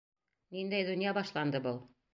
Ниндәй донъя башланды был?